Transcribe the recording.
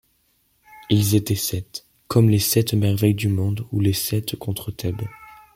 Ils étaient sept, comme les Sept Merveilles du monde ou les Sept contre Thèbes.